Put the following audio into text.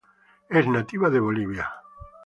Es nativa de Bolivia.